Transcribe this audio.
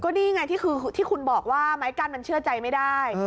นี่ไงที่คือที่คุณบอกว่าไม้กั้นมันเชื่อใจไม่ได้